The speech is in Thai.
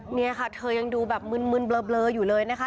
เนี่ยค่ะเธอยังดูแบบมึนเบลออยู่เลยนะคะ